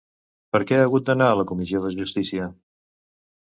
Per què ha hagut d'anar a la Comissió de Justícia?